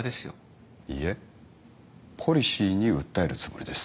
いいえポリシーに訴えるつもりです。